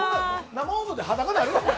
生放送で裸になるのか。